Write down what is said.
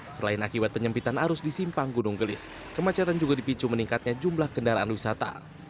selain akibat penyempitan arus di simpang gunung gelis kemacetan juga dipicu meningkatnya jumlah kendaraan wisata